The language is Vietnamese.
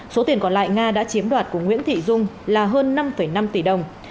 số tiền còn lại nga đã chiếm đoạt của nguyễn thị dung là hơn năm năm tỷ đồng